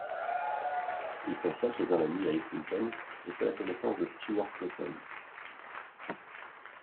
Il s'installe chez un ami à Islington et fait la connaissance de Stewart Copeland.